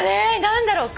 何だろう？